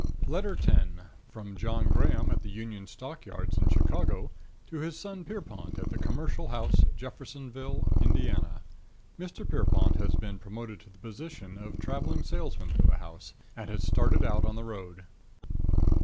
10 |++| From John Graham, at the || Union Stock Yards in || Chicago, to his son, || Pierrepont, at the || Commercial House, || Jeffersonville, Indiana. || Mr. Pierrepont has been || promoted to the position || of traveling salesman || for the house, and has || started out on the road.